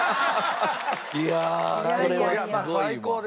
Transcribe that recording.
いやこれはすごいわ。